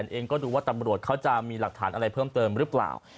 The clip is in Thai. เองก็ดูว่าตำรวจเขาจะมีหลักฐานอะไรเพิ่มเติมหรือเปล่า